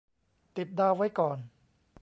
ติดดาวไว้ก่อน